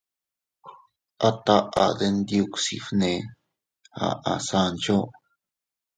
—A taʼa Denyuksi fnee —aʼa Sancho—.